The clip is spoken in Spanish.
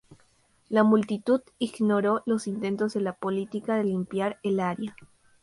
La multitud ignoró los intentos de la policía de limpiar el área.